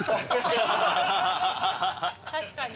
確かに。